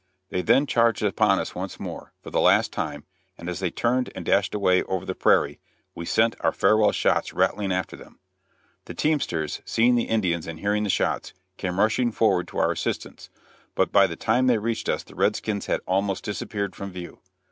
They then charged upon us once more, for the last time, and as they turned and dashed away over the prairie, we sent our farewell shots rattling after them. The teamsters, seeing the Indians and hearing the shots, came rushing forward to our assistance, but by the time they reached us the red skins had almost disappeared from view.